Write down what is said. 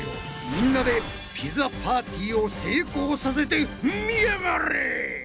みんなでピザパーティーを成功させてみやがれ！